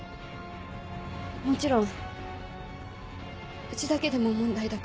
もちろんうちだけでも問題だけど。